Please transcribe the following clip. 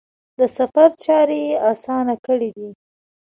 د سفر چارې یې اسانه کړي دي.